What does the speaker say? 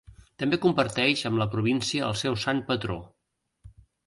També comparteix amb la província el seu sant patró: